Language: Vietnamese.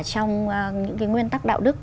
trong những nguyên tắc đạo đức